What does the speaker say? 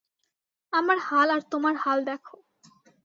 আমার হাল আর তোমার হাল দেখো।